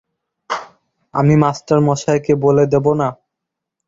আমি মাস্টারমশায়কে বলে দেব না?